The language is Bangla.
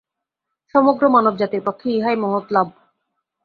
সমগ্র মানবজাতির পক্ষে ইহাই মহৎ লাভ।